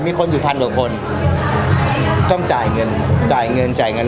มีคนอยู่พันกว่าคนต้องจ่ายเงินจ่ายเงินจ่ายเงิน